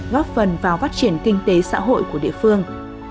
góp phần vào phát triển kinh tế xã hội của địa phương